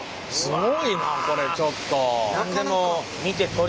すごいなこれちょっと。